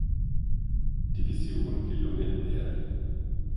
Division gelungen wäre.